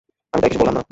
আমি তাকে কিছু বললাম না।